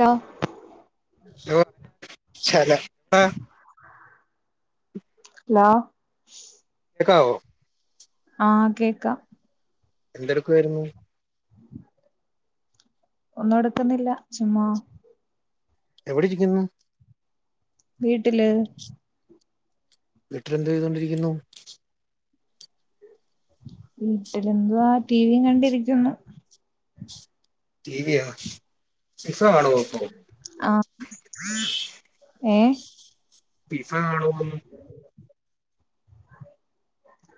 Hello [unintelligible] ചെലപ്പ ലൊ കെക്കാവോ ആഹ് കേക്കാം എന്തെടുക്കുവരുന്നു ഒന്നുംടക്കുന്നില്ല ചുമ്മാ എവിടെരിക്കുന്ന് വീട്ടില് വിട്ടൽ എന്തു ചെയ്തോണ്ടിരിക്കുന്നു വീട്ടിലെന്തുവ റ്റീവീം കണ്ടിരിക്കുന്നു റ്റിവീയോ കാണുവോപ്പോ ഏ പിസ കാണുവോന്ന്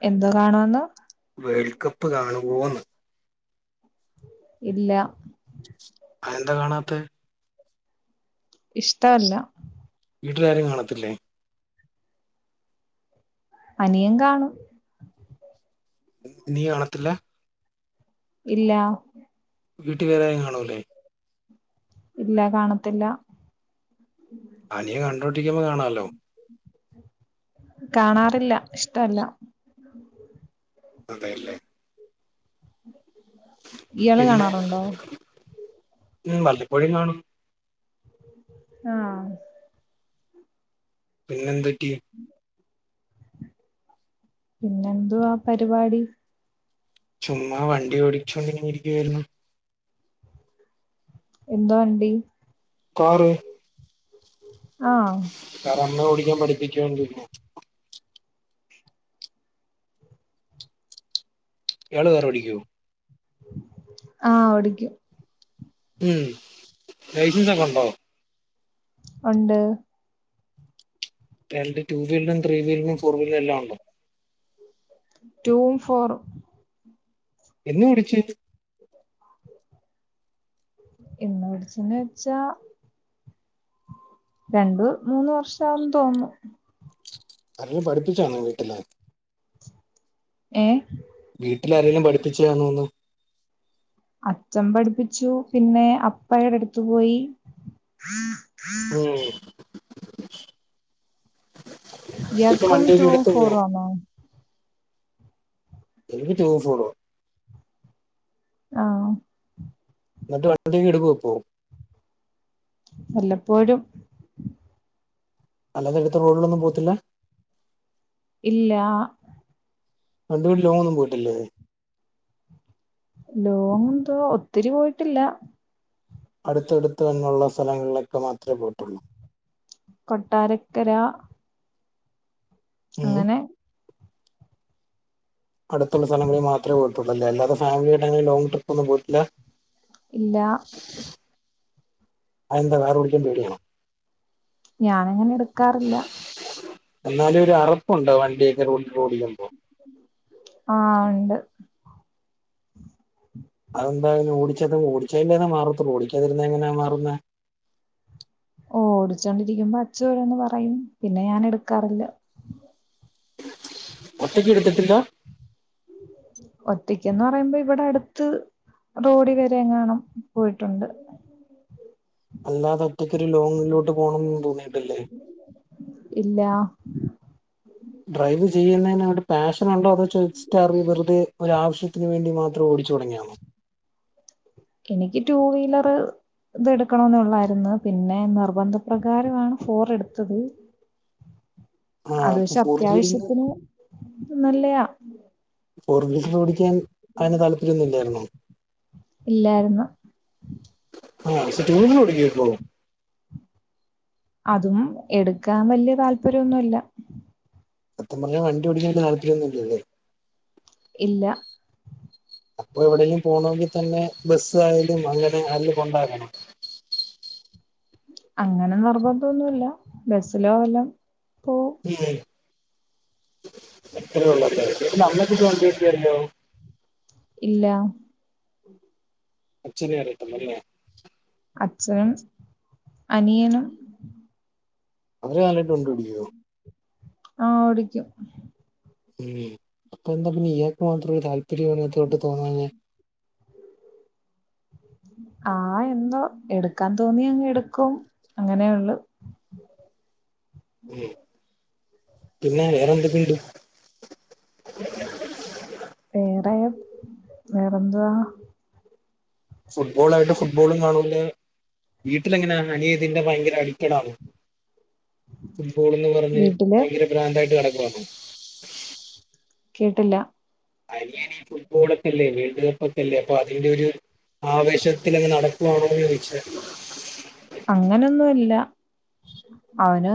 എന്തോ കാണോന്ന് വേൾ കപ്പ് കാണും വോന്ന് ഇല്ല അയെന്താ കാണാത്തെ ഇഷ്ട അല്ല വീട്ടിലാരും കാണത്തില്ലേ? അനിയൻ കാണും- നീ കാണത്തില്ലാ- ഇല്ലാ വീട്ടി വേറൊയായും കാണൂല്ലെ ഇല്ല കാണത്തില്ല അനിയ കണ്ടോണ്ടിരിക്കുമ്പോ കാണാലോ കാണാറില്ല ഇഷ്ടല്ല അതെയല്ലേ ഇയാള് കാണാറുണ്ടോ? മ് വല്ലപ്പോഴും കാണും ആഹ് പിന്നെന്തറ്റി പിന്നെന്തുവാ പരിപാടി ചുമ്മാ വണ്ടി ഓടിച്ചോണ്ട് ഇങ്ങനെ ഇരിക്കുവായിരുന്നു എന്തോ വണ്ടി? കാറ് ആഹ് കള്ള് കുടിക്കാൻ പഠിപ്പിക്കോന്ന് [unintelligible] ഇയാള് കാറോടിക്കുവോ ആഹ് ഓടിക്കും ഉം ലൈസൻസൊക്കെ ഒണ്ടോ ഒണ്ട് രണ്ട് ടൂ വീലറും, ത്രീ വീലറും, ഫോർ വീലറും എല്ലാം ഉണ്ടോ? ടൂവും ഫോറും എന്നു പഠിച്ച് എന്ന് പഠിച്ചെന്ന് വച്ചാ രണ്ട് മൂന്ന് വർഷമാകുമെന്ന് തോന്നുന്നു. ആരേലും പഠിപ്പിച്ചതാണോ വീട്ടില് ഏ വീട്ടിലാരേലും പഠിപ്പിച്ചതാണോന്ന് അച്ഛൻ പഠിപ്പിച്ചു പിന്നെ അപ്പയുടെ അടുത്ത് പോയി ആഹ ഇപ്പൊ ഇയാക്കും വണ്ടിയൊക്കെ ടൂവും എടുത്ത് പോകും ഫോറും ആണോ? എനിക്ക് ടൂവും ഫോറുവാ ആഹ് എന്നിട്ട് വണ്ടിയൊക്കെ എടുക്കോ ഇപ്പോ വല്ലപ്പോഴും അല്ലാതെ എടുത്ത് റോഡിലൊന്നും പോവത്തില്ല ഇല്ലാ [unintelligible] ലോങ്ങൊന്നും പോയിട്ടില്ലേ? ലോങ് ന്തോ ഒത്തിരി പോയിട്ടില്ല അടുത്തടുത്ത് എന്നുള്ള സ്ഥലങ്ങളിലൊക്കെ മാത്രേ പോയിട്ടുള്ളൂ കൊട്ടാരക്കര ഉം. അങ്ങനെ അടുത്തുള്ള സ്ഥലങ്ങളിൽ മാത്രമേ പോയിട്ടുള്ളല്ലെ അല്ലാതെ ഫാമിലിയായിട്ടങ്ങനെ ലോങ് ട്രിപ്പൊന്നും പോയിട്ടില്ല ഇല്ല. അതെന്താ കാർ ഓടിക്കാൻ പേടിയാണോ? [unintelligible] എന്നാലും ഒര് അറ് ഉണ്ടോ വണ്ടി ആ ഇണ്ട് അതെന്താ പിന്നെ ഓടിച്ചാത്തെ ഓടിച്ചെയ്ഞ്ഞത് മാറത്തൊള്ളു ഓടിക്കാതിരുന്ന എങ്ങനാ മാറുന്നെ? ഓ ഓടിച്ചോണ്ടിരിക്കുമ്പോ അച്ച ഓരോന്ന് പറയും പിന്നെ ഞാൻ എടുക്കാറില്ല. ഒറ്റക്കെടുത്തിട്ടില്ല? ഒറ്റക്കെന്ന് പറയുമ്പം ഇവിടെ അടുത്ത് റോഡി വരെങ്ങാണും പോയിട്ടുണ്ട്. അല്ലാതെ ഒറ്റക്കൊരു ലോങ്ങിലോട്ട് പോണംന്ന് തോന്നി ഇല്ലാ. ഡ്രൈവ് ചെയ്യുന്നെയ്നോട് പാഷ് നുണ്ടോ അതോ ചോദിച്ചിട്ട് അറിഞ്ഞ് വെറുതെ ഒരാവിശ്യ ത്തിന് വേണ്ടി മാത്രം ഓടിച്ച് തൊടങ്ങിയാണോ? എനിക്ക് ടു വീലർ ഇത് എടുക്കണോന്ന് ഒള്ളായിരുന്നു പിന്നെ നിർബന്ധപ്രകാരവാണ് ഫോർ എട്ത്തത്. ആ അപ്പ ഫോർവീൽന് അത്യാവശ്യത്തിന് നല്ലയാ ഫോർവീലർ ഓടിക്കാൻ അയിന് താല്പര്യം ഒന്നും ഇല്ലായിര്ന്നോ? ഇല്ലായ്ര്ന്ന്. ആ പക്ഷെ ടൂവീലർ ഓടിക്കുവായിരുന്നോ? അതും എടുക്കാൻ വല്ല്യ താല്പര്യോന്നും ഇല്ല. സത്യം പറഞ്ഞ വണ്ടി ഓടിക്കാൻ താല്പര്യൊന്നും ഇല്ല അല്ലേ? ഇല്ല. അപ്പം എവിടെലും പോണോങ്കി തന്നെ ബസ്സ് ആയാലും അങ്ങനെ ആരേലും കൊണ്ടാക്കണം. അങ്ങനെ നിർബന്തൊന്നും ഇല്ല ബസ്സിലോ വല്ലോം ഉം അത്രയൊള്ള അല്ലേ [unintelligible] വണ്ടി കിട്ടിയല്ലോ? ഇല്ലാ. [unintelligible] അച്ഛനും അനിയനും അവര് നല്ലായിട്ട് വണ്ടി ഓടിക്കോ? ആ ഓടിക്കും. ഉം അപ്പ എന്താ പിന്നെ ഇയാക്ക് മാത്രം ഒര് താല് പ്പര്യം ഇല്ലാത്തോട്ട് തോന്നാഞ്ഞേ? ആ എന്തോ എടുക്കാൻ തോന്നിയാ അങ്ങ് എടുക്കും അങ്ങനെയൊള്ളു. ഉം പിന്നെ വേറെന്തെക്കെ ഇണ്ട്? വേറെ വേറെന്തുവാ? ഫുട്ബോൾ ആയിട്ട് ഫുട്ബോളും കാണൂലാ വീട്ടിലെങ്ങനാന്ന് അനിയൻ ഇതിന്റെ ഭയങ്കര അടിറ്റഡാണോ? ഫുട്ബോൾ എന്ന് പറഞ്ഞ് വീട്ടില് ഭയങ്കര ബ്രാന്ത് ആയിട്ട് നടക്കുവാന്നോ? കേട്ടില്ല. അനിയനി ഫുട്ബോളൊക്കല്ലേ വേൾഡ് കപ്പൊക്കല്ലേ അപ്പൊ അതിന്റെ ഒരു ആവേശത്തിലങ്ങ് നടക്കുവാണോന്ന് ചോയിച്ചായിരുന്നു. അങ്ങനൊന്നുല്ല അവന്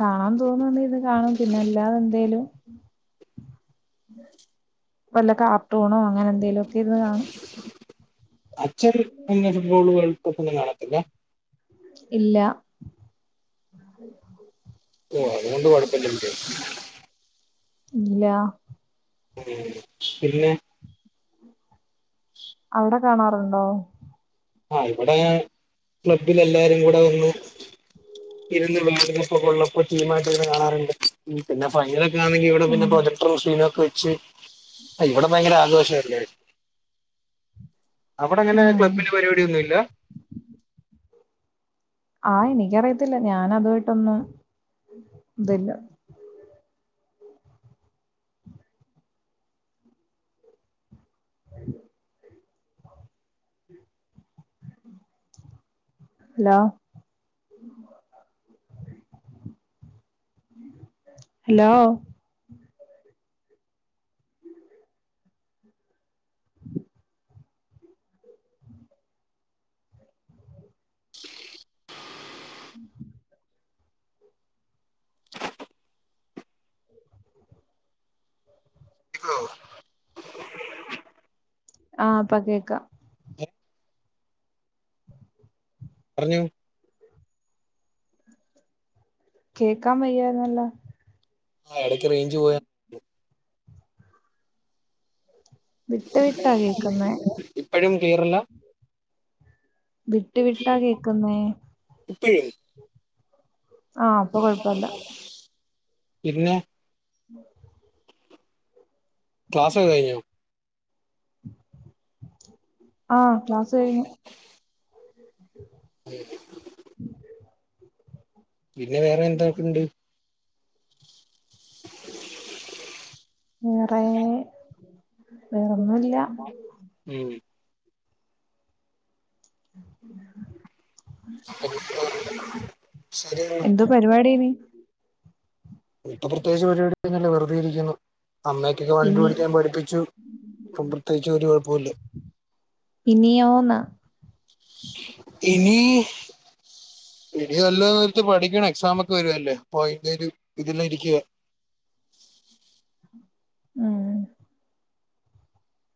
കാണാൻ തോന്നുന്നെയിരുന്ന് കാണും പിന്നെ അല്ലാതെന്തേലും വല്ല കാർട്ടൂണോ അങ്ങനെ എന്തേലൊ ത്തിരുന്ന്‌ കാണും. അച്ഛ ഫുട്ബോൾ വേൾഡ് കപ്പ് ഒ രു പോക്ക് പോയ ആളാ [unintelligible] പിന്നെ ഇല്ല ഓ അതുകൊണ്ട് കുഴപ്പില്ല എനിക്ക് ഇല്ല പിന്നെ അവ്ടെ കാണാറുണ്ടോ ആഹ ഇവിടെ ക്ലബ്ബിൽ എല്ലാരും കൂടെ വന്നു ഇരുന്ന് വേൾഡ് കപ്പ് കൊള്ളപ്പോ ടീയിട്ട് ഇെ കാണാറുണ്ട് പിന്നെ ഭയര ണെങ്ക ഇവിടെന്നെ ഉം പ്ര ക്കെ [unintelligible] പക്ഷ ഇവിടെ ഭയങ്കര ആഘോഷായിരിക്ക അവിടെ അങ്ങനെ ഉം ക്ലബില് പരിപാടിിയൊന്നുംല്ല ആഹ എനിക്കറിയത്തില്ല ഞാൻ അതുമായിട്ടൊന്നും ഇതില്ല ഹലോ ഹലോ ഉം [unintelligible] ആഹ് ഇപ്പ കേക്ക പറഞ്ഞോ കേക്കാ വയ്യന്നല്ല ആ എടയ്ക്ക് റേഞ്ച് പോയാ വിട്ട വിട്ടാ കേക്കുന്നേ കേരള വിട്ടു വിട്ടാ കേക്കുന്നേ ഇപ്പോഴും ആഹ അപ്പൊ കൊഴപ്പല്ല പിന്നെ [unintelligible] [unintelligible] ക്ലാസ് ഒക്കെകഴിഞ്ഞോ ആഹ ക്ലാസ് കഴിഞ്ഞു പിന്നെ വേറെ എന്തൊക്കെുണ്ട് വേറേ [unintelligible] വേറെൊന്നുംല്ല ഉം. ഉ [unintelligible] [unintelligible] ശരിന്നാ എന്തോ പരിപാടി ഇനി ഇപ്പൊ പ്രത്യേകിച്ച് പരിപാടിന്നുല്ല വെറുതെ ഇരിക്കുന്നു അമ്മയ്ക്കൊക്കെ വണ്ടി ഇനി ഓടിക്കാൻ പഠിപ്പിച്ചു ഇപ്പം പ്രത്യേകിുച്ച് ഒരു കുഴപ്പ വുല്ല ഇനിയോ ന്ന് ഇനി ഡിഗ്രി വല്ലോട്ത്തുംപഠിക്കണം എക്സമ ഒക്കെ വരുല്ലേ പോയിക്ക്ണ് ഇതില് രിക്കുവ ആ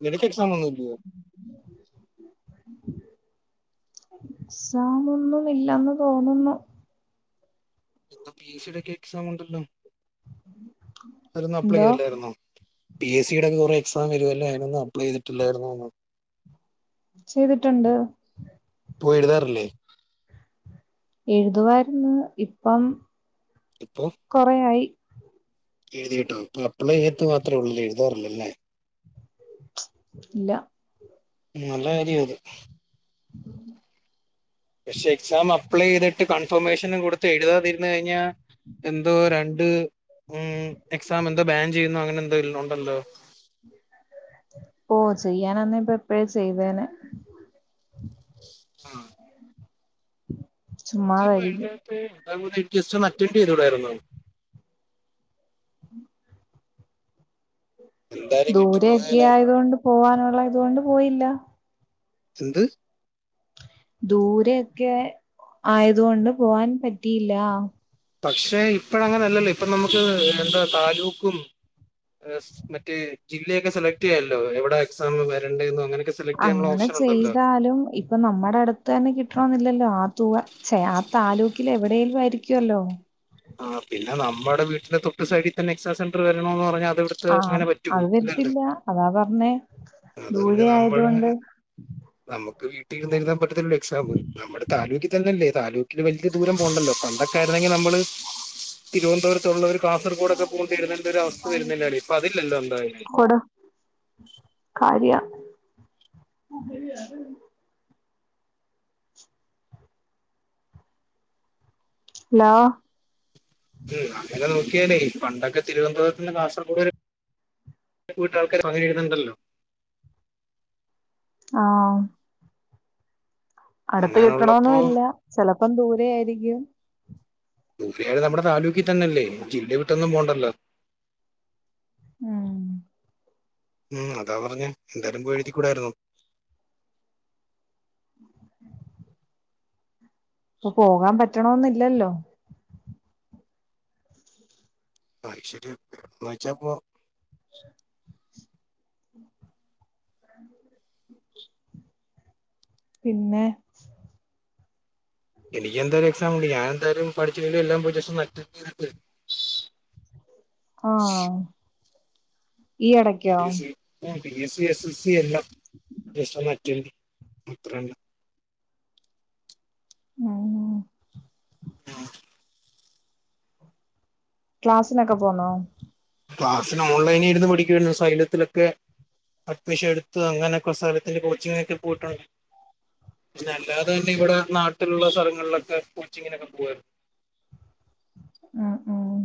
നിനക്ക്‌ എ [unintelligible] ക്സമൊന്നും ഇല്ലന്ന് തോന്നുന്നു എന്താ പി എസ് സി യുടെ ഒക്കെ എക്സാം ഉണ്ടല്ലോ അയിലൊന്നും അപ്ലൈ എന്തോ ചെയ്തില്ലായിന്നോ പി എസ് സിയുടെ ഒക്ക കുറെ എക്സാം വരുവല്ലേ ഒന്നും അപ്ലൈ ചെയ്തിട്ടില്ലായിരുന്നു ന്ന് ചെയ്തിട്ടുണ്ട് പോയി എഴുതാറില്ലേ എഴുതുവായിരുന്നു ഇപ്പം കൊറയായി എഴുതി കേട്ടോ ഇപ്പം അപ്ലൈ എഴുത്ത് മാത്രം ഒള്ളൂ ലേ എഴുതാറില്ലല്ലേ ഇല്ല നല്ല കാര്യ അത് [unintelligible] പക്ഷെ എക്സാം അപ്ലൈയ്തിട്ട് ക ഇൻഫർമേഷനം കൊടുത്ത് എഴുതാതിരുന്നു കഴിഞ്ഞാൽ എന്തോ രണ്ട് മ് എക്സാം എന്തോ ബാൻ ചെയ്യുന്നു അങ്ങനെ എന്തോയിൽനോൺ ഓ ചെയ്യാനന്നേ ഇപ്പൊ ഇപ്പയേ ചെയ്തേന ആ ഉം [unintelligible] മറ്റേണ്ടി വരൂലായിരുന്നോ എന്തായാലും ദൂരയൊക്ക കിട്ടിപ്പോയാലോ ആയതുകൊണ്ട് പോവാനുള്ള ഇതുകൊണ്ട് പോയില്ല എന്ത് ദൂരയൊക്കെ ആയതുകൊണ്ട് പോവാൻ പറ്റിയില്ല പക്ഷെ ഇപ്പയ അങ്ങന അല്ലല്ലോ ഇപ്പം നമുക്ക് എന്താ താലൂക്കും എസ് മറ്റേ ജില്ലയൊക്കെ സെലക്ട് ചെയ്യാല്ലോ എവടെ എക്സാം വരണ്ടയ്ന്നോ അങ്ങനെ അങ്ങനെ ചെയ്താലും ഇപ്പൊ നമ്മുടെ അടുത്ത് തന്നെ കിട്ടണോന്നില്ലല്ലോ ആ തുവ ഛേ ആ താലൂക്കിൽ എവിടെലും ആയിരി ഇക്യല്ലോ ആ പിന്നെ നമ്മുടെ വീ തൊട്ട് സൈഡി തന്നെ എക്സാം സെൻ വരണോന്ന് പറഞ്ഞാ ആ അത് വര്ത്തില്ല അതാ പറഞ്ഞേ അത് പിന്നെ ദൂരെ ആയതുകൊണ്ട് [unintelligible] [unintelligible] എക്സാമ് നമ്മുടെ താലൂക്കി തന്നെല്ലേ താലൂക് ഇത് വലിയ ദൂരം പോണ്ടല്ലോ പണ്ടൊക്കെ ആയിന്നെങ്കിൽ നമ്മള് തിരുവന്തപുരത്തുള്ളവര് കാസർഗോഡൊക്കെ പോകണ്ടിവരുന്ന ഒരു തരം അവസ്ഥ വരുന്നില്ലാലോ ഇപ്പൊ അതില്ലല്ലോ എന്തായാലും കൊട് ആ ശരി [unintelligible] ഹലോ ഉം അങ്ങനെ നോക്കിയാലേ പണ്ടൊക്കെ തിരുവനന്തപുരത്തുന്ന് കാസർഗോഡ്‌ വരെ വീട്ടാർക്ക്‌ അങ്ങനെ രിത്ണ്ടല്ലോ ആഹ് അടുത്ത് അങ്ങനെ ഉള്ളപ്പോ കിട്ടണന്നുംല്ലാ ചിലപ്പോ പ്പം ദൂരെ ആയിരിക്കും [unintelligible] നമ്മുടെ താലൂക്കിൽ തന്നെയല്ലേ ജില്ല വീട്ടൊന്നും പോണ്ടല്ലോ ഉം ഉം അതാ പറഞ്ഞെ എന്തായാലും പോയി എഴുതി കൂടായിരുന്നോ ഇപ്പൊ പോകാൻ പറ്റ് കിട്ടണന്നില്ലല്ലോ ആ ശരിയാ വായിച്ചപ്പോ [unintelligible] പിന്നെ എനിക്ക് എന്തായാലും എക്സാം ഉണ്ട് ഞാൻ എന്തായാലും പഠി എല്ലാം പോയി ജസ്റ്റ് ഒന്നു അറ്റ് [unintelligible] ആഹ് ഈ എടക്കോ P S C P S C S L C എല്ലാം [unintelligible] ഇത്രല്ല ആഹ് ക്ലാസിനൊക്കെ പോണോ ക്ലാസിന് ഓൺലൈനിരുന്നു പഠിക്കുവാരുന്നു സൈലത്തിലൊക്കെ അഡ്മിഷൻ എടുത്ത് അങ്ങനൊക്കെ സ്ഥലത്തിന്റെ കോച്ചിങ്ങിനൊക്കെ പോയിട്ടുണ്ട് പിന്നെ അല്ലാതെ തന്നെ ഇവിടെ നാട്ടിലുള്ള സ്ഥലങ്ങളിലൊക്കെ കോച്ചിങ്ങിനൊക്കെ പോവാരുന്നു ഉം ഉം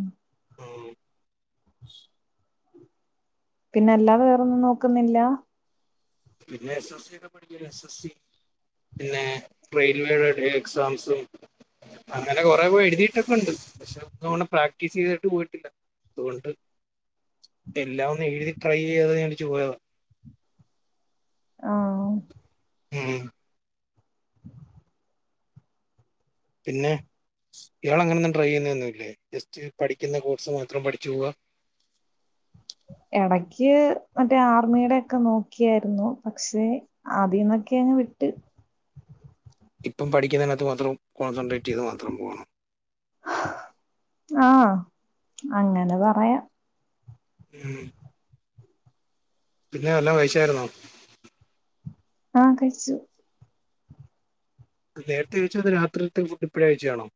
പിന്നെ അല്ലാതെ വേറൊന്നും നോക്കുന്നില്ല പിന്നെ എസ്എസ് സിയൊക്കെ പഠിച്ച് എസ് എസ് സി പിന്നെ റെയിൽവേയുടെ ഡേ എക്സാംസും അങ്ങനെ കൊറെേ പോയി എഴുതിയിട്ടൊക്കെ ഉണ്ട് പക്ഷെ നല്ലോണം പ്രാക്ടീസ് ചെയ്തിട്ട് പോയിട്ടില്ല അതുകൊണ്ട് എല്ലാം ഒന്ന് എഴുതി ട്രൈ ചെയ്യാന്നു വിചാരിച്ചു പോയതാ ആഹ് ഉം പിന്നെ ഇയാൾ അങ്ങനൊന്നും ട്രൈ ചെയ്യുന്ന് ഒന്നുല്ലേ ജസ്റ്റ് പഠിക്കുന്ന കോഴ്സ് മാത്രം പഠിച്ചു പോവ ഇടക്ക് മറ്റേ ആർമിയുടെ ഒക്കെ നോക്കിയായിരുന്നു പക്ഷെ ആതീന്നൊക്കെ അങ് വിട്ട് ഇപ്പം പഠിക്കുന്നതിനകത്ത് മാത്രം കോൺസെൻട്രേറ്റ് ചെയ്ത് മാത്രം പോണം ആഹ് അങ്ങനെ പറയാം ഉം പിന്നെ വല്ലം കഴിച്ചായിരുന്നോ? ആഹ് കഴിച്ച്- നേരത്തെ കഴിച്ച അത് രാത്രിൽത്തേ ഫുട് ഇപ്പഴേ കഴിച്ചെയാണോ?